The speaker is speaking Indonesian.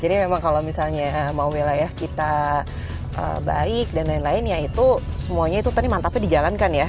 jadi memang kalau misalnya mau wilayah kita baik dan lain lain ya itu semuanya itu tadi mantapnya dijalankan ya